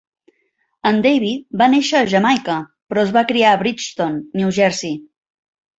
En Davy va néixer a Jamaica però es va criar a Bridgeton, New Jersey.